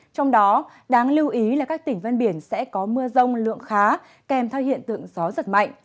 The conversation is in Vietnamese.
trong đó đáng lưu ý là các tỉnh ven biển sẽ có mưa rông lượng khá kèm theo hiện tượng gió giật mạnh